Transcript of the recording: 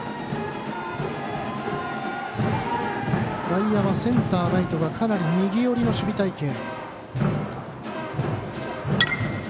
外野はセンターライトがかなり右よりの守備隊形。